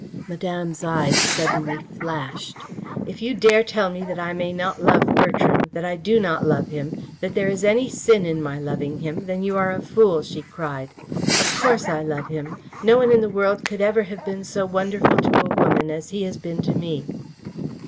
Madame's eyes suddenly flashed. "If you dare tell me that I may not love Bertram that I do not love him that there is any sin in my loving him, then you are a fool!" she cried. "Of course I love him. No one in the world could ever have been so wonderful to a woman as he has been to me."